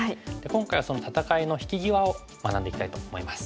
今回はその戦いの引き際を学んでいきたいと思います。